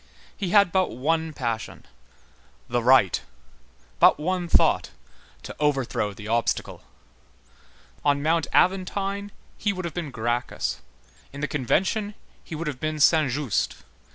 He had but one passion—the right; but one thought—to overthrow the obstacle. On Mount Aventine, he would have been Gracchus; in the Convention, he would have been Saint Just.